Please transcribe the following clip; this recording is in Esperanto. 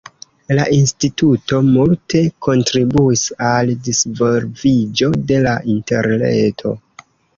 La instituto multe kontribuis al disvolviĝo de la Interreto.